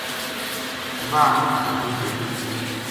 واہ مچ بھاری گٹی تھی